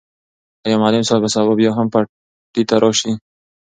آیا معلم صاحب به سبا بیا هم پټي ته راشي؟